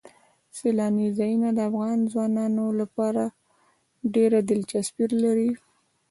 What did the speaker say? سیلاني ځایونه د افغان ځوانانو لپاره ډېره دلچسپي لري.